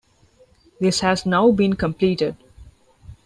This has now been completed.